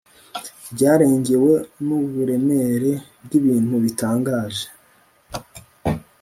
Byarengewe nuburemere bwibintu bitangaje